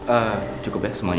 eh cukup ya semuanya